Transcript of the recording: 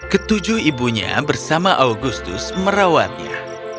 ketujuh ibunya bersama augustus merawatnya